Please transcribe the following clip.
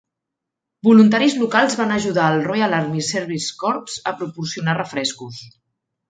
Voluntaris locals van ajudar el Royal Army Service Corps a proporcionar refrescos.